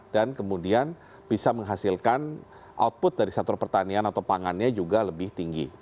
dan kemudian bisa menghasilkan output dari satur pertanian atau pangannya juga lebih tinggi